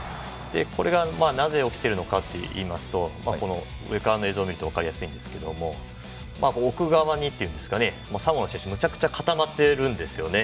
これがなぜ起きてるのかといいますと上からの映像を見ると分かりやすいんですけど奥側にといいますかサモアの選手が、めちゃくちゃ固まってるんですよね。